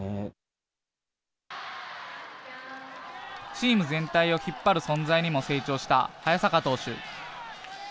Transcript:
チーム全体を引っ張る存在にも成長した早坂投手。